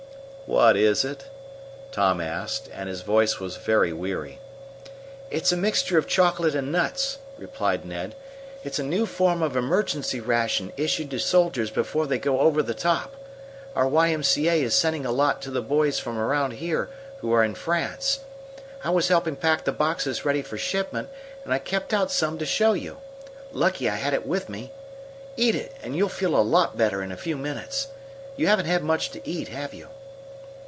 "What is it?" Tom asked, and his voice was very weary. "It's a mixture of chocolate and nuts," replied Ned. "It's a new form of emergency ration issued to soldiers before they go over the top. Our Y.M.C.A. is sending a lot to the boys from around here who are in France. I was helping pack the boxes ready for shipment, and I kept out some to show you. Lucky I had it with me. Eat it, and you'll feel a lot better in a few minutes. You haven't had much to eat, have you?"